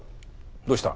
どうした？